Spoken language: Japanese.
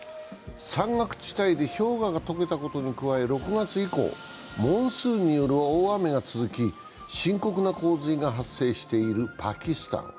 山岳地帯で氷河が解けたことに加え６月以降、モンスーンによる大雨が続き深刻な洪水が発生しているパキスタン。